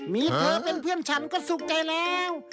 มีเธอเป็นเพื่อนฉันก็สุขใจแล้ว